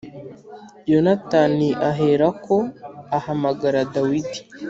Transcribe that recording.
Yonatani aherako ahamagara Dawidi